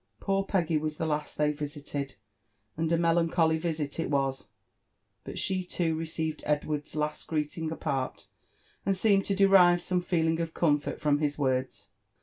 Poor Peggy was Ihelasl Ihey vislled. — and a tftelancholy visit it was : but she, loo, received Edward's last greeting apart, and soSmed to derive some feel ing of comfort from his words.